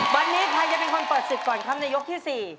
วันนี้ใครจะเป็นคนเปิดศึกก่อนครับในยกที่๔